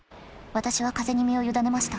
私は風に身を委ねました。